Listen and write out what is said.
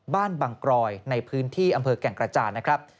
บางกรอยในพื้นที่อำเภอแก่งกระจานนะครับ